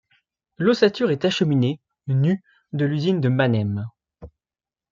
L'ossature est acheminée, nue, de l'usine de Mannheim.